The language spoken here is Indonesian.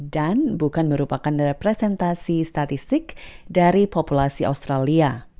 dan bukan merupakan representasi statistik dari populasi australia